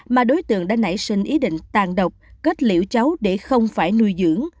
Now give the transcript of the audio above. mà đối tượng đã nảy sinh ý định tàn độc kết liễu cháu để không phải nuôi dưỡng